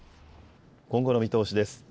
今後の見通しです。